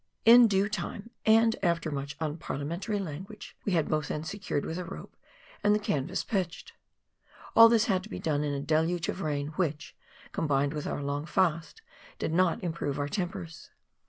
In due time, after much unparliamentary lan guage, we had both ends secured with a rope, and the canvas pitched. All this had to be done in a deluge of rain, which, combined with our long fast, did not improve our tempers.